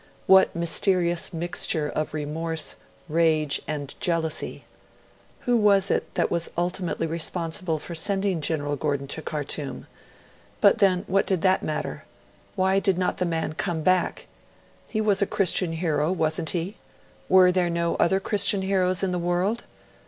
What mysterious mixture of remorse, rage, and jealousy? Who was it that was ultimately responsible for sending General Gordon to Khartoum? But then, what did that matter? Why did not the man come back? He was a Christian hero, wasn't he? Were there no other Christian heroes in the world?